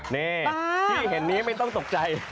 นี่ที่เห็นนี้ไม่ต้องตกใจ